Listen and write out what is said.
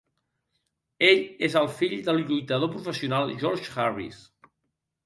Ell és el fill del lluitador professional George Harris.